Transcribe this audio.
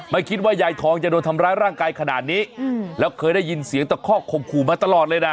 ไม่คิดว่ายายทองจะโดนทำร้ายร่างกายขนาดนี้แล้วเคยได้ยินเสียงตะคอกข่มขู่มาตลอดเลยนะ